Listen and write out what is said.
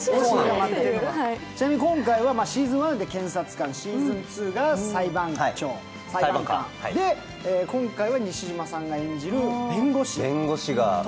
今回はシーズン１は検察官、シーズン２が裁判官で、今回は西島さんが演じる弁護士と。